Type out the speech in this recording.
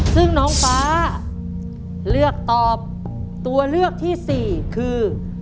ซึ่งน้องฟ้าเลือกตอบตัวเลือกที่๔คือ